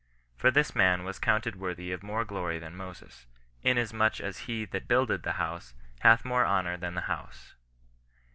For this man was counted worthy of more glory than Moses, inasmuch as he that builded the house hath more honour than the house."